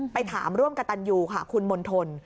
ไปถามร่วมกับตันยูค่ะคุณมณฑล